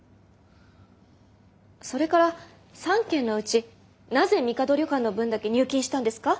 それから３件のうちなぜみかど旅館の分だけ入金したんですか？